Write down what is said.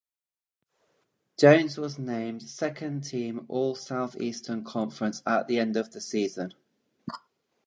Jones was named Second Team All-Southeastern Conference at the end of the season.